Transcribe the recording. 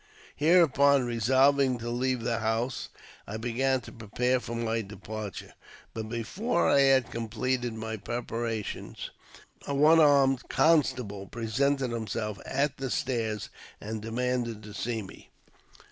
Hereupon resolving to leave the house, I began to prepare for my departure; but, before I had completed my prepara tions, a one armed constable presented himself at the stairs, and demanded to see me.